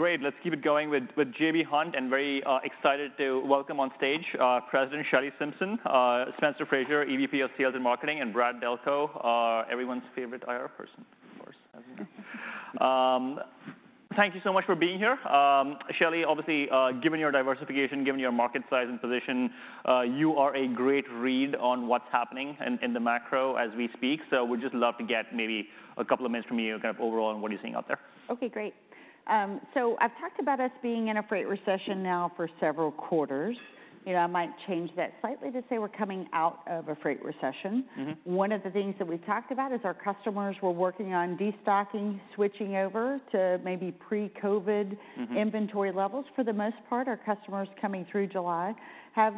Great, let's keep it going with J.B. Hunt, and very excited to welcome on stage President Shelley Simpson, Spencer Frazier, EVP of Sales and Marketing, and Brad Delco, everyone's favorite IR person, of course, as you know. Thank you so much for being here. Shelley, obviously, given your diversification, given your market size and position, you are a great read on what's happening in the macro as we speak. So we'd just love to get maybe a couple of minutes from you, kind of, overall on what are you seeing out there? Okay, great. So I've talked about us being in a freight recession now for several quarters. You know, I might change that slightly to say we're coming out of a freight recession. Mm-hmm. One of the things that we talked about is our customers were working on destocking, switching over to maybe pre-COVID- Mm-hmm - inventory levels. For the most part, our customers coming through July have,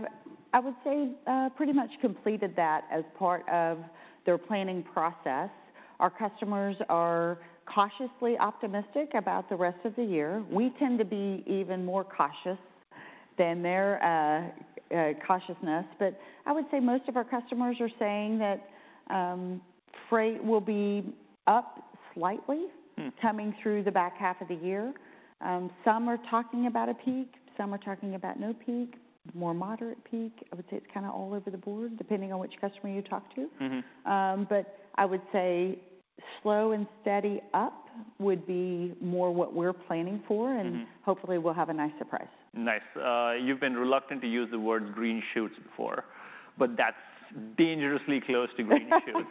I would say, pretty much completed that as part of their planning process. Our customers are cautiously optimistic about the rest of the year. We tend to be even more cautious than their cautiousness. But I would say most of our customers are saying that, freight will be up slightly- Hmm - coming through the back half of the year. Some are talking about a peak, some are talking about no peak, more moderate peak. I would say it's kind of all over the board, depending on which customer you talk to. Mm-hmm. But I would say slow and steady up would be more what we're planning for. Mm-hmm And hopefully we'll have a nice surprise. Nice. You've been reluctant to use the word "green shoots" before, but that's dangerously close to green shoots.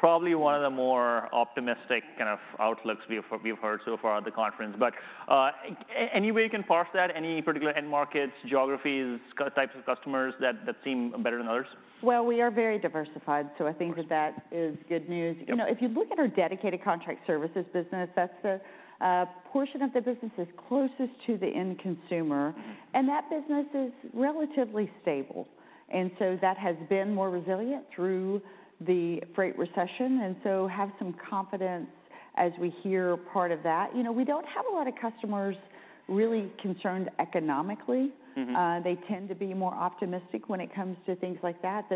Probably one of the more optimistic, kind of, outlooks we've heard so far at the conference. But, any way you can parse that? Any particular end markets, geographies, types of customers that seem better than others? Well, we are very diversified, so I think that- Of course That is good news. Yep. You know, if you look at our Dedicated Contract Services business, that's the portion of the business that's closest to the end consumer, and that business is relatively stable. And so that has been more resilient through the freight recession, and so have some confidence as we hear part of that. You know, we don't have a lot of customers really concerned economically. Mm-hmm. They tend to be more optimistic when it comes to things like that.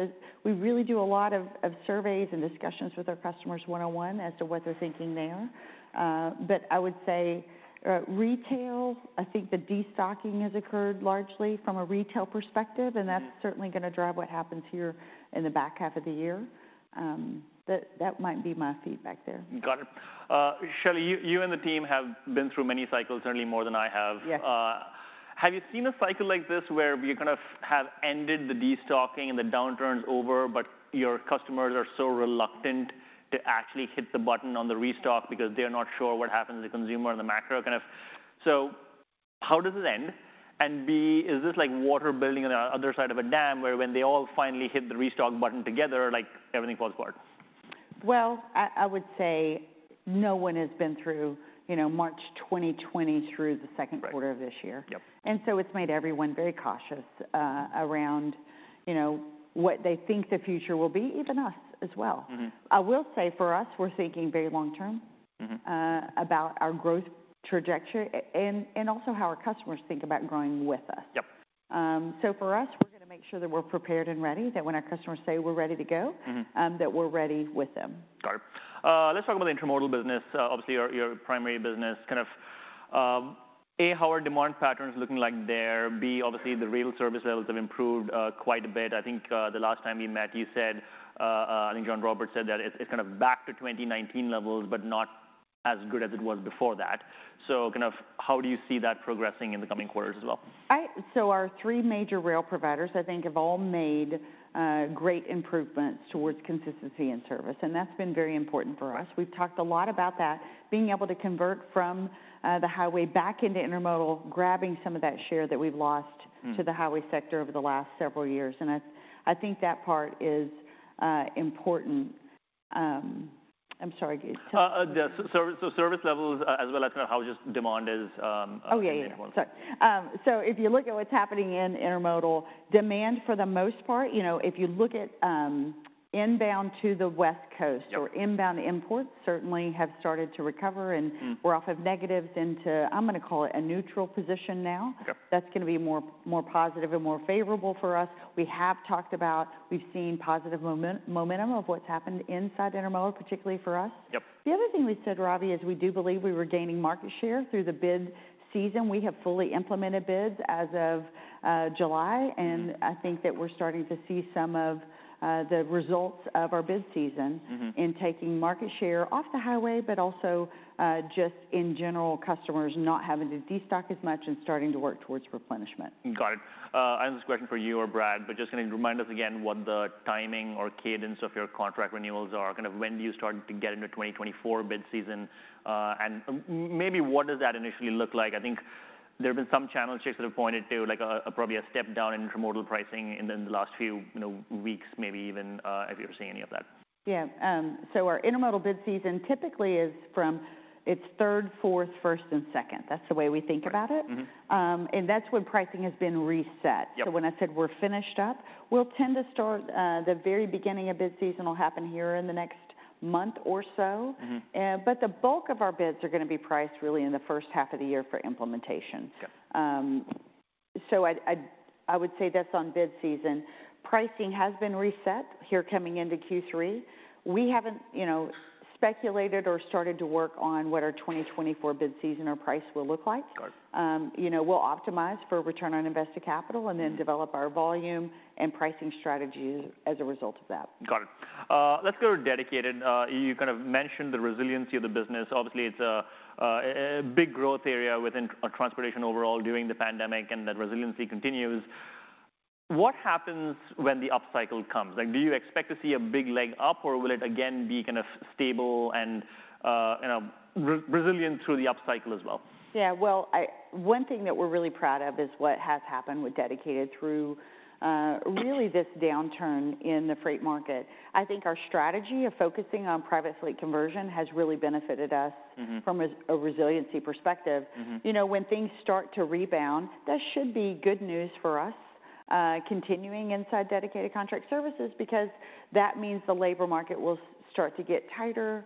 We really do a lot of surveys and discussions with our customers one-on-one as to what they're thinking there. But I would say, retail, I think the destocking has occurred largely from a retail perspective- Mm-hmm And that's certainly going to drive what happens here in the back half of the year. That might be my feedback there. Got it. Shelley, you and the team have been through many cycles, certainly more than I have. Yes. Have you seen a cycle like this where you kind of, have ended the destocking and the downturn's over, but your customers are so reluctant to actually hit the button on the restock because they're not sure what happens to the consumer and the macro, kind of? So how does it end? And b, is this like water building on the other side of a dam, where when they all finally hit the restock button together, like, everything falls apart? Well, I would say no one has been through, you know, March 2020 through the second quarter- Right of this year. Yep. And so it's made everyone very cautious, around, you know, what they think the future will be, even us as well. Mm-hmm. I will say, for us, we're thinking very long term- Mm-hmm about our growth trajectory, and also how our customers think about growing with us. Yep. So, for us, we're going to make sure that we're prepared and ready, that when our customers say: "We're ready to go"— Mm-hmm - that we're ready with them. Got it. Let's talk about the intermodal business. Obviously your, your primary business. Kind of, A, how are demand patterns looking like there? B, obviously, the rail service levels have improved, quite a bit. I think, the last time we met, you said, I think John Roberts said that it's, it's kind of, back to 2019 levels, but not as good as it was before that. So kind of, how do you see that progressing in the coming quarters as well? So our three major rail providers, I think, have all made great improvements toward consistency and service, and that's been very important for us. We've talked a lot about that, being able to convert from the highway back into intermodal, grabbing some of that share that we've lost. Hmm - to the highway sector over the last several years, and I, I think that part is important. I'm sorry, Ravi, tell me- the service, so service levels, as well as, kind of, how just demand is, Oh, yeah, yeah. Continuing on. Sorry. If you look at what's happening in intermodal, demand for the most part, you know, if you look at inbound to the West Coast- Yep or inbound imports, certainly have started to recover. Hmm and we're off of negatives into, I'm going to call it, a neutral position now. Yep. That's going to be more, more positive and more favorable for us. We have talked about... We've seen positive momentum of what's happened inside intermodal, particularly for us. Yep. The other thing we said, Ravi, is we do believe we were gaining market share through the bid season. We have fully implemented bids as of July. Mm-hmm. I think that we're starting to see some of the results of our bid season- Mm-hmm in taking market share off the highway, but also, just in general, customers not having to destock as much and starting to work towards replenishment. Got it. And this question for you or Brad, but just kind of remind us again what the timing or cadence of your contract renewals are. Kind of, when do you start to get into 2024 bid season? And maybe what does that initially look like? I think there have been some channel checks that have pointed to, like, a probably a step down in intermodal pricing, and then the last few, you know, weeks, maybe even, have you ever seen any of that? Yeah. So our intermodal bid season typically is from third, fourth, first, and second. That's the way we think about it. Right. Mm-hmm. That's when pricing has been reset. Yep. So when I said we're finished up, we'll tend to start. The very beginning of bid season will happen here in the next month or so. Mm-hmm. But the bulk of our bids are going to be priced really in the first half of the year for implementation. Yep.... So I would say that's on bid season. Pricing has been reset here coming into Q3. We haven't, you know, speculated or started to work on what our 2024 bid season or price will look like. Got it. You know, we'll optimize for return on invested capital, and then develop our volume and pricing strategy as a result of that. Got it. Let's go to Dedicated. You kind of mentioned the resiliency of the business. Obviously, it's a big growth area within our transportation overall during the pandemic, and that resiliency continues. What happens when the up cycle comes? Like, do you expect to see a big leg up, or will it again be kind of stable and, you know, resilient through the up cycle as well? Yeah, well, one thing that we're really proud of is what has happened with Dedicated through really this downturn in the freight market. I think our strategy of focusing on private fleet conversion has really benefited us- Mm-hmm... from a resiliency perspective. Mm-hmm. You know, when things start to rebound, that should be good news for us, continuing inside Dedicated Contract Services, because that means the labor market will start to get tighter.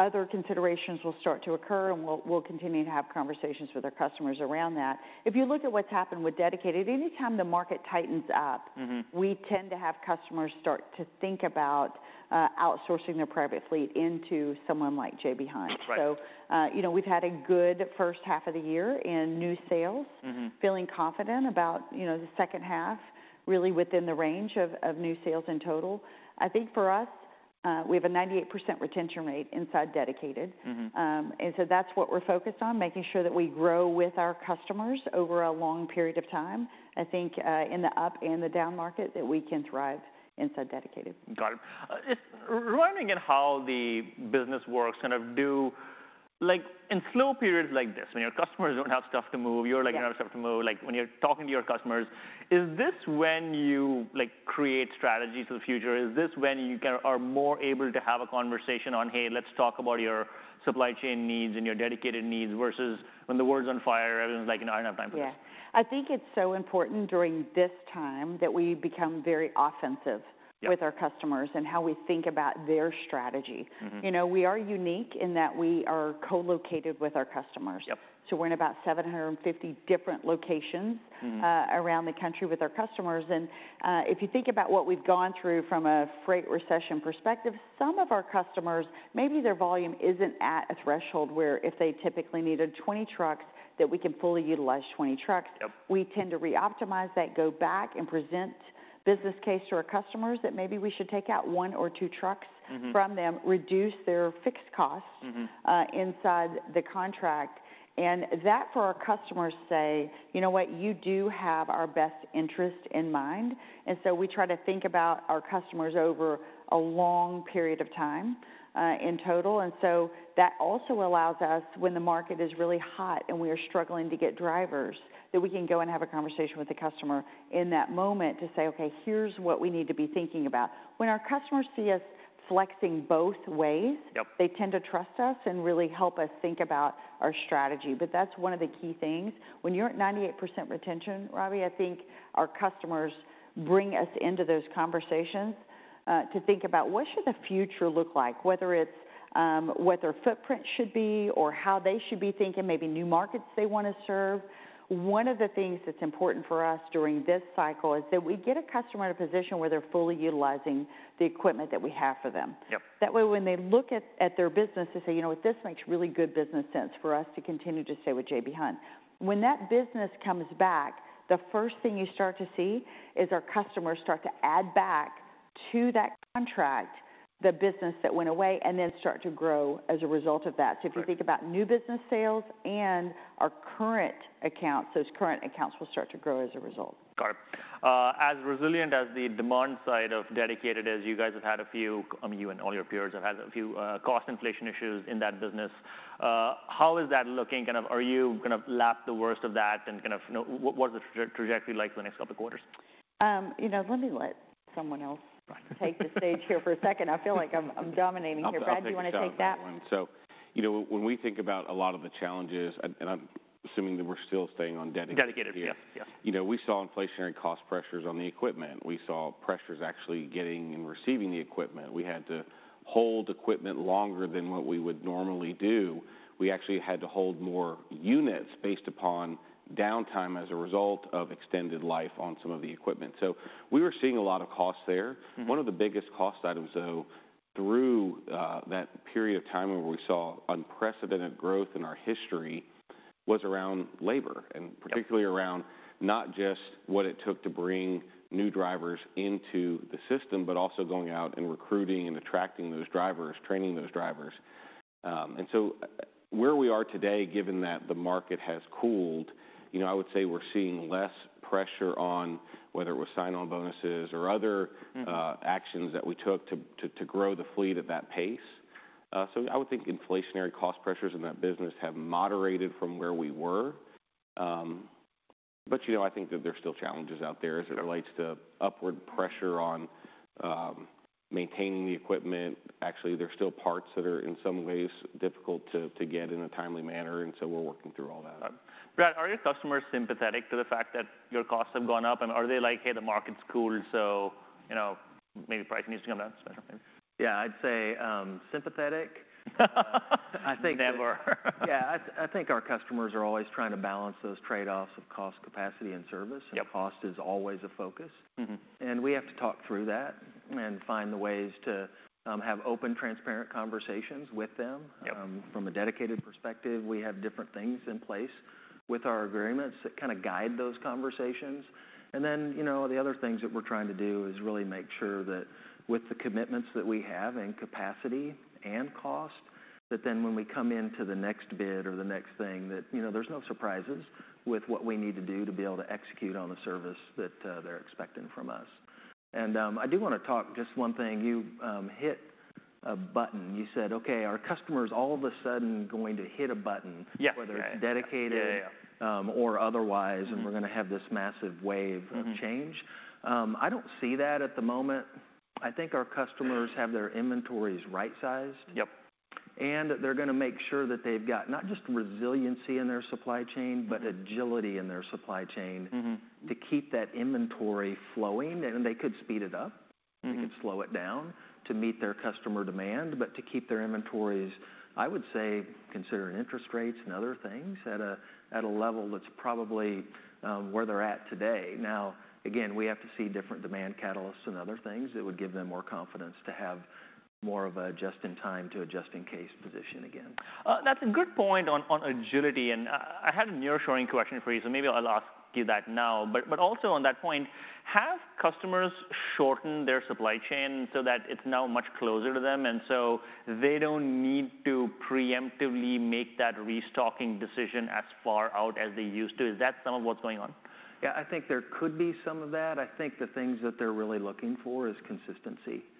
Other considerations will start to occur, and we'll continue to have conversations with our customers around that. If you look at what's happened with Dedicated, anytime the market tightens up- Mm-hmm... we tend to have customers start to think about, outsourcing their private fleet into someone like J.B. Hunt. Right. You know, we've had a good first half of the year in new sales. Mm-hmm. Feeling confident about, you know, the second half, really within the range of new sales in total. I think for us, we have a 98% retention rate inside Dedicated. Mm-hmm. And so that's what we're focused on, making sure that we grow with our customers over a long period of time. I think, in the up and the down market, that we can thrive inside Dedicated. Got it. Just reminding again how the business works. Like, in slow periods like this, when your customers don't have stuff to move, you're like- Yeah... you have stuff to move. Like, when you're talking to your customers, is this when you, like, create strategies for the future? Is this when you kind of, are more able to have a conversation on, "Hey, let's talk about your supply chain needs and your dedicated needs," versus when the world's on fire, everyone's like: "You know, I don't have time for this? Yeah. I think it's so important during this time that we become very offensive- Yep ... with our customers and how we think about their strategy. Mm-hmm. You know, we are unique in that we are co-located with our customers. Yep. We're in about 750 different locations- Mm-hmm... around the country with our customers, and, if you think about what we've gone through from a freight recession perspective, some of our customers, maybe their volume isn't at a threshold where if they typically needed 20 trucks, that we can fully utilize 20 trucks. Yep. We tend to reoptimize that, go back and present business case to our customers, that maybe we should take out one or two trucks- Mm-hmm... from them, reduce their fixed costs- Mm-hmm... inside the contract. And that, for our customers, say: "You know what? You do have our best interest in mind." And so we try to think about our customers over a long period of time, in total. And so that also allows us, when the market is really hot and we are struggling to get drivers, that we can go and have a conversation with the customer in that moment to say, "Okay, here's what we need to be thinking about." When our customers see us flexing both ways- Yep... they tend to trust us and really help us think about our strategy. But that's one of the key things. When you're at 98% retention, Ravi, I think our customers bring us into those conversations to think about what should the future look like? Whether it's what their footprint should be or how they should be thinking, maybe new markets they want to serve. One of the things that's important for us during this cycle is that we get a customer in a position where they're fully utilizing the equipment that we have for them. Yep. That way, when they look at their business, they say, "You know what? This makes really good business sense for us to continue to stay with J.B. Hunt." When that business comes back, the first thing you start to see is our customers start to add back to that contract, the business that went away, and then start to grow as a result of that. Right. If you think about new business sales and our current accounts, those current accounts will start to grow as a result. Got it. As resilient as the demand side of Dedicated is, you guys have had a few, you and all your peers have had a few, cost inflation issues in that business. How is that looking? Kind of, are you kind of lapped the worst of that, and kind of, you know, what, what is the trajectory like for the next couple of quarters? You know, let me let someone else take the stage here for a second. I feel like I'm dominating here. Brad, do you want to take that? I'll take a shot at that one. So you know, when we think about a lot of the challenges, and, and I'm assuming that we're still staying on Dedicated. Dedicated, yeah, yeah. You know, we saw inflationary cost pressures on the equipment. We saw pressures actually getting and receiving the equipment. We had to hold equipment longer than what we would normally do. We actually had to hold more units based upon downtime as a result of extended life on some of the equipment. So we were seeing a lot of costs there. Mm-hmm. One of the biggest cost items, though, through that period of time where we saw unprecedented growth in our history, was around labor. Yep. Particularly around not just what it took to bring new drivers into the system, but also going out and recruiting and attracting those drivers, training those drivers. So where we are today, given that the market has cooled, you know, I would say we're seeing less pressure on whether it was sign-on bonuses or other- Mm... actions that we took to grow the fleet at that pace. So I would think inflationary cost pressures in that business have moderated from where we were. But you know, I think that there are still challenges out there as it relates to upward pressure on maintaining the equipment. Actually, there are still parts that are, in some ways, difficult to get in a timely manner, and so we're working through all that. Brad, are your customers sympathetic to the fact that your costs have gone up? And are they like: "Hey, the market's cooled, so, you know, maybe price needs to come down? Yeah, I'd say, sympathetic. Never. Yeah, I think our customers are always trying to balance those trade-offs of cost, capacity, and service. Yep. Cost is always a focus. Mm-hmm. We have to talk through that and find the ways to have open, transparent conversations with them. Yep. From a dedicated perspective, we have different things in place... with our agreements that kind of guide those conversations. And then, you know, the other things that we're trying to do is really make sure that with the commitments that we have, and capacity and cost, that then when we come into the next bid or the next thing, that, you know, there's no surprises with what we need to do to be able to execute on the service that they're expecting from us. And I do want to talk, just one thing, you hit a button. You said, "Okay, our customer's all of a sudden going to hit a button- Yeah. whether it's dedicated- Yeah, yeah. or otherwise, and we're going to have this massive wave- Mm-hmm... of change." I don't see that at the moment. I think our customers- Yeah have their inventories right-sized. Yep. They're going to make sure that they've got, not just resiliency in their supply chain, but agility in their supply chain- Mm-hmm... to keep that inventory flowing. They could speed it up- Mm-hmm... they could slow it down to meet their customer demand, but to keep their inventories, I would say, considering interest rates and other things, at a level that's probably where they're at today. Now, again, we have to see different demand catalysts and other things that would give them more confidence to have more of a just-in-time to a just-in-case position again. That's a good point on agility, and I had a nearshoring question for you, so maybe I'll ask you that now. But also on that point, have customers shortened their supply chain so that it's now much closer to them, and so they don't need to preemptively make that restocking decision as far out as they used to? Is that some of what's going on? Yeah, I think there could be some of that. I think the things that they're really looking for is consistency- Okay ...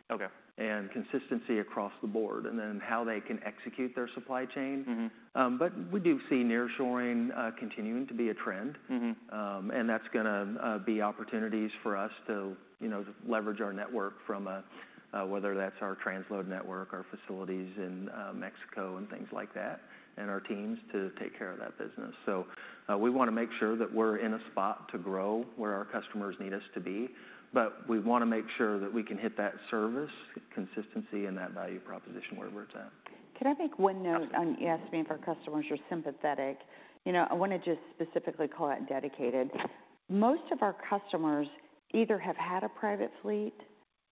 and consistency across the board, and then how they can execute their supply chain. Mm-hmm. We do see nearshoring continuing to be a trend. Mm-hmm. That's gonna be opportunities for us to, you know, leverage our network from a whether that's our transload network, our facilities in Mexico, and things like that, and our teams to take care of that business. So we want to make sure that we're in a spot to grow where our customers need us to be, but we want to make sure that we can hit that service, consistency, and that value proposition where we're at that. Can I make one note? Absolutely. You asked me if our customers are sympathetic. You know, I want to just specifically call out dedicated. Most of our customers either have had a private fleet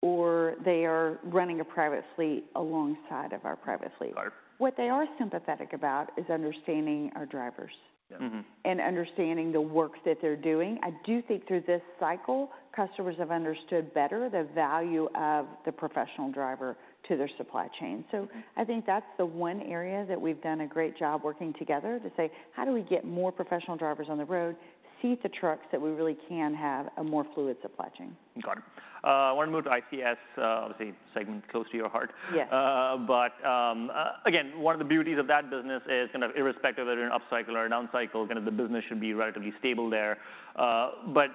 or they are running a private fleet alongside of our private fleet. Got it. What they are sympathetic about is understanding our drivers- Yeah. Mm-hmm... and understanding the work that they're doing. I do think through this cycle, customers have understood better the value of the professional driver to their supply chain. So I think that's the one area that we've done a great job working together to say: "How do we get more professional drivers on the road, seat the trucks, that we really can have a more fluid supply chain? Got it. I want to move to ICS, obviously, a segment close to your heart. Yes. But again, one of the beauties of that business is kind of irrespective of an up cycle or a down cycle, kind of the business should be relatively stable there. But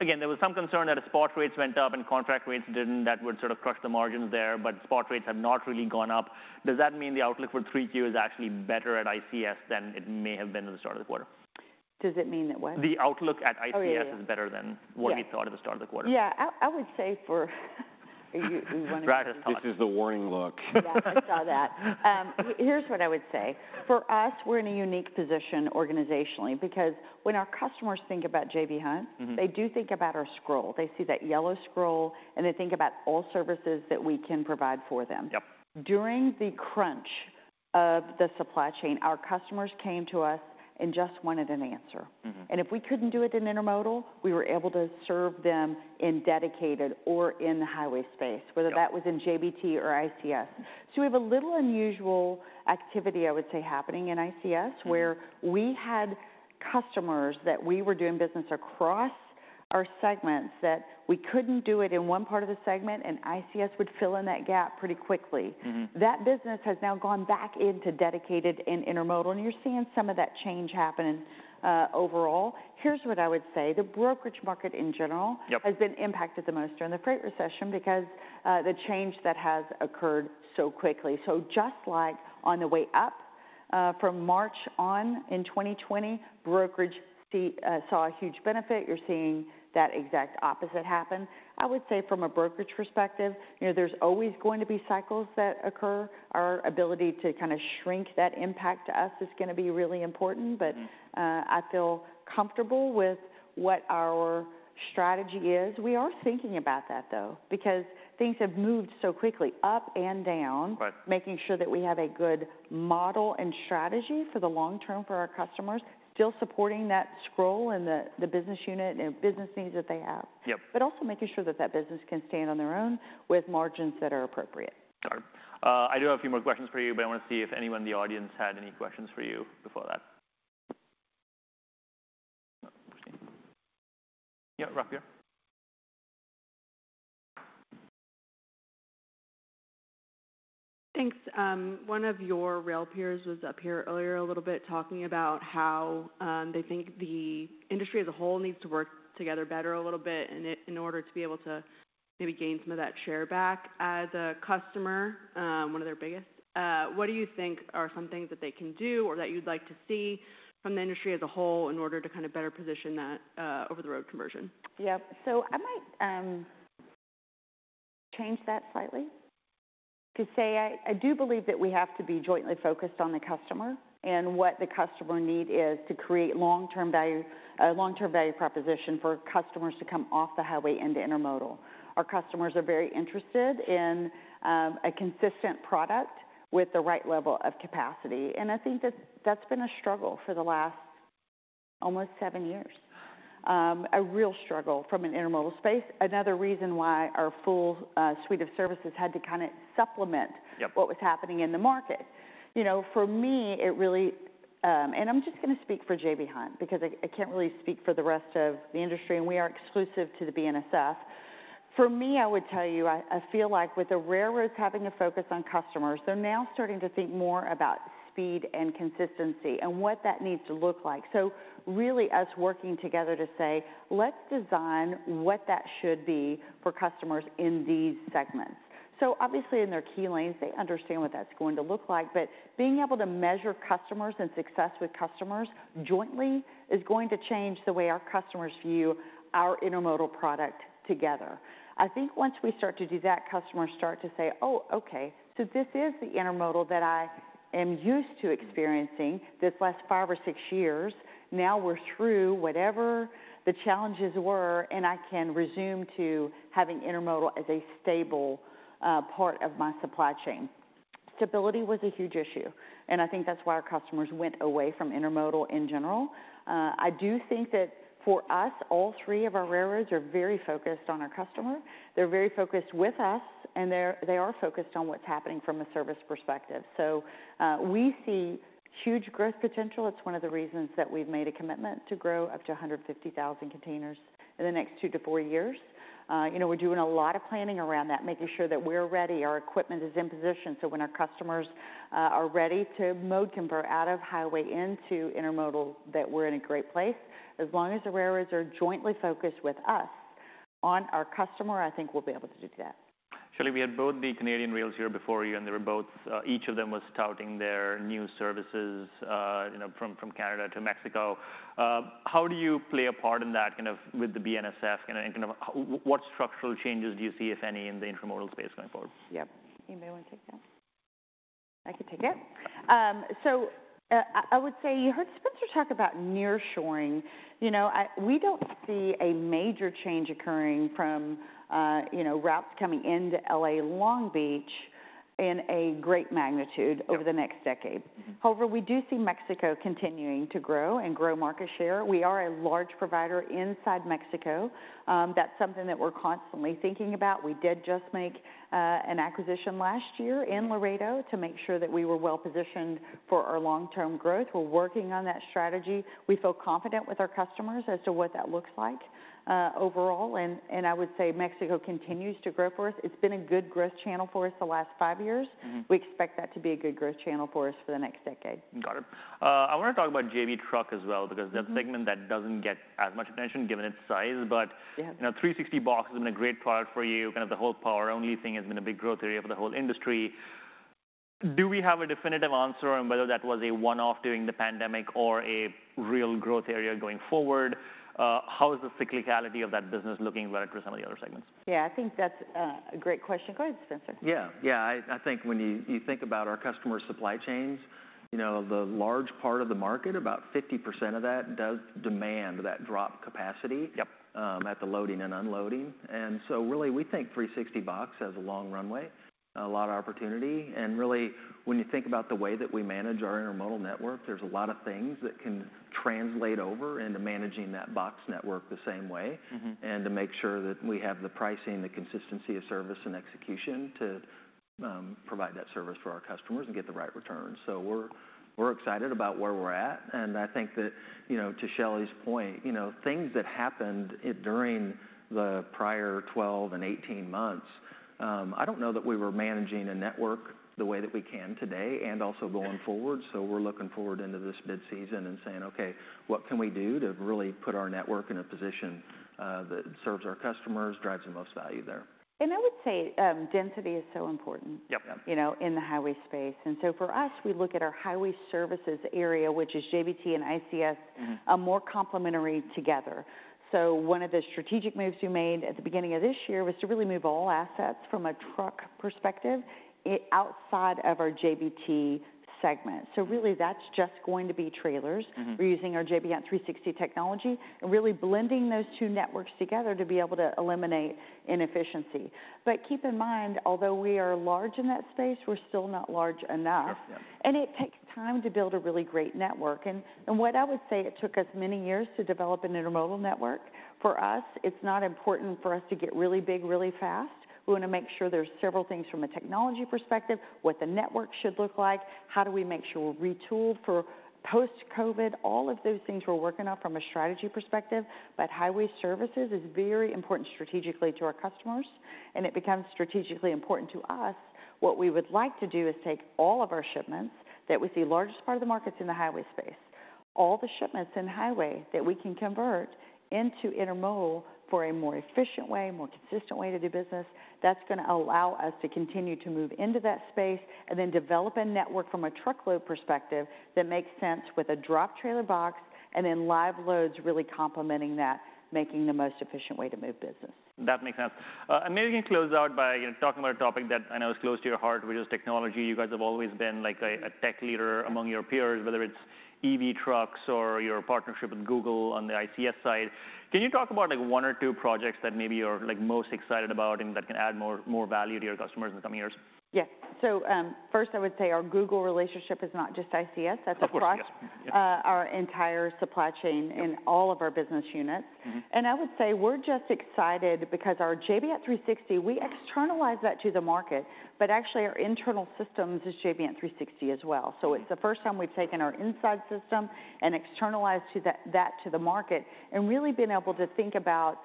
again, there was some concern that if spot rates went up and contract rates didn't, that would sort of crush the margins there, but spot rates have not really gone up. Does that mean the outlook for 3Q is actually better at ICS than it may have been at the start of the quarter? Does it mean that what? The outlook at ICS- Oh, yeah... is better than what we- Yes - thought at the start of the quarter. Yeah, I would say for you, you want to- This is the worrying look. Yeah, I saw that. Here's what I would say: for us, we're in a unique position organizationally, because when our customers think about J.B. Hunt- Mm-hmm... they do think about our logo. They see that yellow logo, and they think about all services that we can provide for them. Yep. During the crunch of the supply chain, our customers came to us and just wanted an answer. Mm-hmm. If we couldn't do it in intermodal, we were able to serve them in Dedicated or in the highway space. Yep... whether that was in JBT or ICS. So we have a little unusual activity, I would say, happening in ICS- Mm-hmm... where we had customers that we were doing business across our segments, that we couldn't do it in one part of the segment and ICS would fill in that gap pretty quickly. Mm-hmm. That business has now gone back into Dedicated and intermodal, and you're seeing some of that change happening, overall. Here's what I would say, the brokerage market, in general- Yep... has been impacted the most during the freight recession because the change that has occurred so quickly. So just like on the way up from March on in 2020, brokerage fee saw a huge benefit. You're seeing that exact opposite happen. I would say from a brokerage perspective, you know, there's always going to be cycles that occur. Our ability to kind of shrink that impact to us is going to be really important- Mm-hmm... but, I feel comfortable with what our strategy is. We are thinking about that, though, because things have moved so quickly, up and down. Right. Making sure that we have a good model and strategy for the long term for our customers, still supporting that scroll and the business unit and business needs that they have. Yep. But also making sure that that business can stand on their own with margins that are appropriate. Got it. I do have a few more questions for you, but I want to see if anyone in the audience had any questions for you before that. Yeah, [Rafia]? Thanks. One of your rail peers was up here earlier a little bit, talking about how they think the industry as a whole needs to work together better a little bit in order to be able to maybe gain some of that share back. As a customer, one of their biggest, what do you think are some things that they can do or that you'd like to see from the industry as a whole in order to kind of better position that over-the-road conversion? Yep. So I might change that slightly to say, I do believe that we have to be jointly focused on the customer, and what the customer need is to create long-term value, long-term value proposition for customers to come off the highway into intermodal. Our customers are very interested in a consistent product with the right level of capacity, and I think that's been a struggle for the last almost seven years. A real struggle from an intermodal space. Another reason why our full suite of services had to kinda supplement- Yep. -what was happening in the market. You know, for me, it really, and I'm just gonna speak for J.B. Hunt, because I, I can't really speak for the rest of the industry, and we are exclusive to the BNSF. For me, I would tell you, I, I feel like with the railroads having a focus on customers, they're now starting to think more about speed and consistency, and what that needs to look like. So really, us working together to say, "Let's design what that should be for customers in these segments." So obviously in their key lanes, they understand what that's going to look like, but being able to measure customers and success with customers jointly is going to change the way our customers view our intermodal product together. I think once we start to do that, customers start to say, "Oh, okay, so this is the intermodal that I am used to experiencing this last five or six years. Now we're through whatever the challenges were, and I can resume to having intermodal as a stable, part of my supply chain." Stability was a huge issue, and I think that's why our customers went away from intermodal in general. I do think that for us, all three of our railroads are very focused on our customer. They're very focused with us, and they are focused on what's happening from a service perspective. So, we see huge growth potential. It's one of the reasons that we've made a commitment to grow up to 150,000 containers in the next two to four years. You know, we're doing a lot of planning around that, making sure that we're ready, our equipment is in position, so when our customers are ready to mode convert out of highway into intermodal, that we're in a great place. As long as the railroads are jointly focused with us on our customer, I think we'll be able to do that. Shelley, we had both the Canadian rails here before you, and they were both. Each of them was touting their new services, you know, from Canada to Mexico. How do you play a part in that, kind of, with the BNSF, kind of, and what structural changes do you see, if any, in the intermodal space going forward? Yep. Anybody want to take that? I can take it. So, I would say you heard Spencer talk about nearshoring. You know, we don't see a major change occurring from, you know, routes coming into L.A., Long Beach, in a great magnitude- Yep... over the next decade. Mm-hmm. However, we do see Mexico continuing to grow and grow market share. We are a large provider inside Mexico. That's something that we're constantly thinking about. We did just make an acquisition last year in Laredo to make sure that we were well-positioned for our long-term growth. We're working on that strategy. We feel confident with our customers as to what that looks like, overall, and I would say Mexico continues to grow for us. It's been a good growth channel for us the last five years. Mm-hmm. We expect that to be a good growth channel for us for the next decade. Got it. I want to talk about J.B. Truck as well, because- Yep... the segment that doesn't get as much attention, given its size. Yeah... you know, 360box has been a great product for you. Kind of the whole power-only thing has been a big growth area for the whole industry. Do we have a definitive answer on whether that was a one-off during the pandemic or a real growth area going forward? How is the cyclicality of that business looking relative to some of the other segments? Yeah, I think that's a great question. Go ahead, Spencer. Yeah. Yeah, I think when you think about our customer supply chains, you know, the large part of the market, about 50% of that, does demand that drop capacity- Yep... at the loading and unloading. And so really, we think 360box has a long runway, a lot of opportunity. And really, when you think about the way that we manage our intermodal network, there's a lot of things that can translate over into managing that box network the same way. Mm-hmm. To make sure that we have the pricing, the consistency of service and execution to provide that service for our customers and get the right return. We're excited about where we're at, and I think that, you know, to Shelley's point, you know, things that happened in it during the prior 12 and 18 months. I don't know that we were managing a network the way that we can today, and also going forward. Yeah. We're looking forward into this bid season and saying: Okay, what can we do to really put our network in a position that serves our customers, drives the most value there? I would say, density is so important- Yep. Yep... you know, in the highway space. And so for us, we look at our Highway Services area, which is JBT and ICS- Mm-hmm... are more complementary together. So one of the strategic moves we made at the beginning of this year was to really move all assets from a truck perspective outside of our JBT segment. So really, that's just going to be trailers. Mm-hmm. We're using our J.B. Hunt 360° technology, and really blending those two networks together to be able to eliminate inefficiency. But keep in mind, although we are large in that space, we're still not large enough. Yes, yeah. It takes time to build a really great network. And what I would say, it took us many years to develop an intermodal network. For us, it's not important for us to get really big, really fast. We want to make sure there's several things from a technology perspective, what the network should look like, how do we make sure we're retooled for post-COVID? All of those things we're working on from a strategy perspective, but Highway services is very important strategically to our customers, and it becomes strategically important to us. What we would like to do is take all of our shipments that, with the largest part of the market's in the highway space, all the shipments in highway that we can convert into intermodal for a more efficient way, more consistent way to do business. That's gonna allow us to continue to move into that space, and then develop a network from a truckload perspective that makes sense with a drop trailer box, and then live loads really complementing that, making the most efficient way to move business. That makes sense. And maybe you can close out by, you know, talking about a topic that I know is close to your heart, which is technology. You guys have always been, like, a tech leader among your peers, whether it's EV trucks or your partnership with Google on the ICS side. Can you talk about, like, one or two projects that maybe you're, like, most excited about and that can add more value to your customers in the coming years? Yeah. So, first, I would say our Google relationship is not just ICS- Of course, yeah.... that's across our entire supply chain- Yep... in all of our business units. Mm-hmm. I would say we're just excited because our J.B. Hunt 360°, we externalize that to the market, but actually, our internal systems is J.B. Hunt 360° as well. Yeah. So it's the first time we've taken our inside system and externalized that to the market, and really been able to think about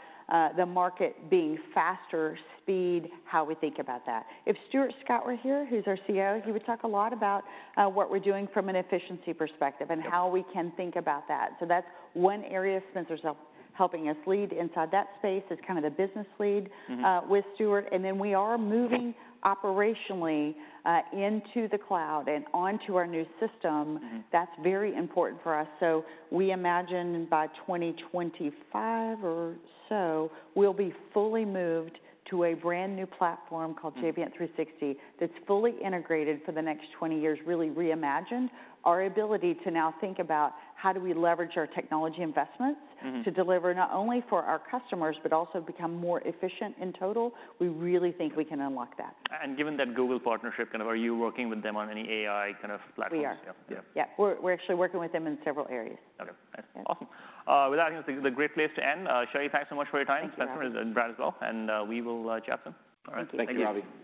the market being faster, speed, how we think about that. If Stuart Scott were here, who's our CIO, he would talk a lot about what we're doing from an efficiency perspective- Yep... and how we can think about that. So that's one area Spencer's helping us lead inside that space, as kind of the business lead- Mm-hmm... with Stuart. And then we are moving operationally into the cloud and onto our new system. Mm-hmm. That's very important for us. So we imagine by 2025 or so, we'll be fully moved to a brand-new platform called- Mm-hmm... J.B. Hunt 360°, that's fully integrated for the next 20 years, really reimagined our ability to now think about how do we leverage our technology investments- Mm-hmm... to deliver not only for our customers, but also become more efficient in total? We really think we can unlock that. Given that Google partnership, kind of, are you working with them on any AI kind of platforms? We are. Yep, yeah. Yeah, we're actually working with them in several areas. Okay, nice. Yeah. Awesome. With that, I think this is a great place to end. Shelley, thanks so much for your time. Thank you, Ravi. Spencer and Brad as well, and we will chat soon. All right. Thank you, Ravi.